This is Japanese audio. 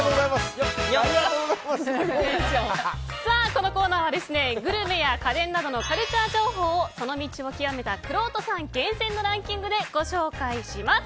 このコーナーはグルメや家電などのカルチャー情報をその道を究めたくろうとさん厳選のランキングでご紹介します。